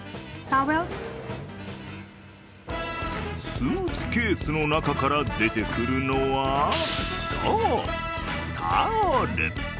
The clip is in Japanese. スーツケースの中から出てくるのはそう、タオル。